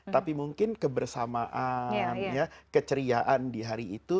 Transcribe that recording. tapi mungkin kebersamaan keceriaan di hari itu